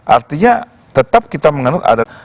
artinya tetap kita menolak